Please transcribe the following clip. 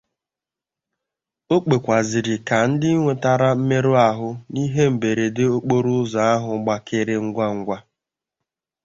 O kpekwazịrị ka ndị nwetara mmerụahụ n'ihe mberede okporo ụzọ ahụ gbakere ngwangwa